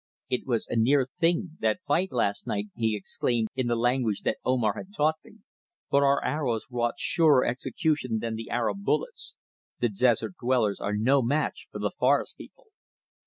"It was a near thing, that fight last night," he exclaimed in the language that Omar had taught me. "But our arrows wrought surer execution than the Arab bullets. The desert dwellers are no match for the forest people."